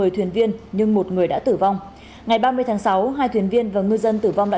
một mươi thuyền viên nhưng một người đã tử vong ngày ba mươi tháng sáu hai thuyền viên và ngư dân tử vong đã